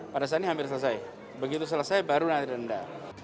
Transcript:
pada saat ini hampir selesai begitu selesai baru nanti denda